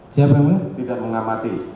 tidak enggak enggak